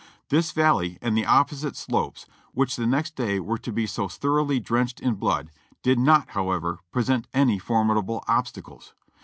This valley and the opposite slopes, which the next day were to be so thoroughly drenched in blood, did not, however, present any formidable obstacles.